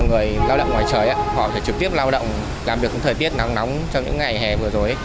người lao động ngoài trời họ phải trực tiếp lao động làm việc thời tiết nắng nóng trong những ngày hè vừa rồi